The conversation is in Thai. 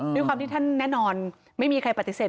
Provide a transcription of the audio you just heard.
ด้วยความที่ท่านแน่นอนไม่มีใครปฏิเสธ